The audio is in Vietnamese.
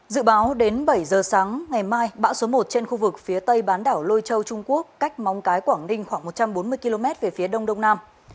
dự báo đến bảy giờ sáng ngày mai bão số một trên khu vực phía tây bán đảo lôi châu trung quốc cách móng cái quảng ninh khoảng một trăm bốn mươi km về phía đông đông nam